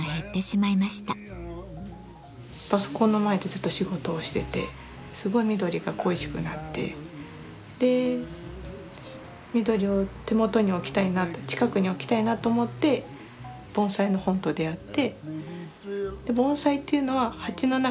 パソコンの前でずっと仕事をしててすごい緑が恋しくなってで緑を手元に置きたいなって近くに置きたいなと思って盆栽の本と出会って。